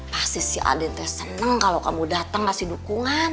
pasti si aden tuh seneng kalo kamu dateng ngasih dukungan